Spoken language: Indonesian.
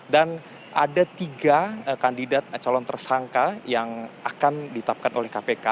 dan ada tiga kandidat calon tersangka yang akan ditapkan oleh kpk